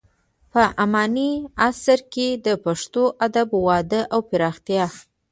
په اماني عصر کې د پښتو ادب وده او پراختیا: